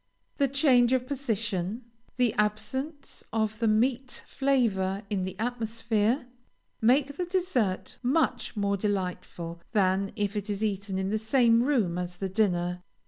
The change of position, the absence of the meat flavor in the atmosphere, make the dessert much more delightful than if it is eaten in the same room as the dinner.